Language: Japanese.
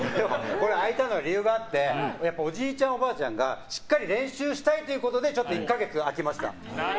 空いたのは理由があっておじいちゃん、おばあちゃんがしっかり練習したいということで１か月空けました。